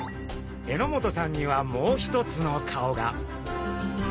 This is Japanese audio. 榎本さんにはもう一つの顔が。